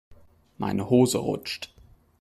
Meine Hose rutscht.